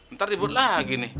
ntar dibut lagi nih